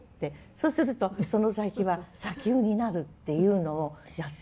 そうするとその先は砂丘になるっていうのをやったわけね。